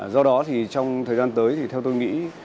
do đó thì trong thời gian tới thì theo tôi nghĩ